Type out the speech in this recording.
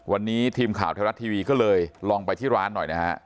วันนี้ทีมข่าวไทยรัฐทีวีก็เลยลองไปที่ร้านหน่อยนะฮะ